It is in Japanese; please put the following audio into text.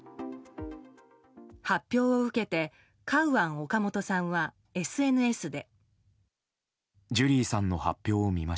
発表を受けてカウアン・オカモトさんはＳＮＳで。